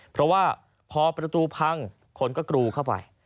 เพราะว่าพอประตูพังคนก็กรูเข้าไป